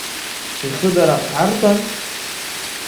Ихыдарам арбан?